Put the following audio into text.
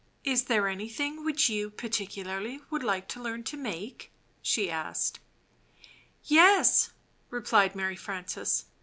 "Is there anything which you particularly would like to learn to make?" she asked. "Yes," repUed Mary Frances.